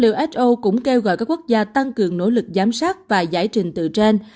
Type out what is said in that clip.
who cũng kêu gọi các quốc gia tăng cường nỗ lực giám sát và giải trình từ trên